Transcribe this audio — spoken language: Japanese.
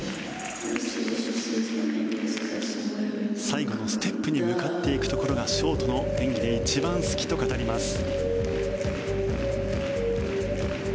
最後のステップに向かっていくところがショートの演技で一番好きと語ります。